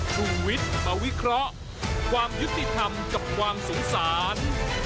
ชูวิทย์มาวิเคราะห์ความยุติธรรมกับความสงสาร